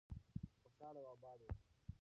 خوشحاله او آباد اوسئ.